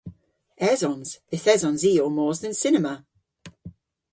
Esons. Yth esons i ow mos dhe'n cinema.